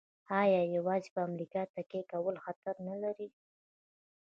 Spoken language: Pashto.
آیا یوازې په امریکا تکیه کول خطر نلري؟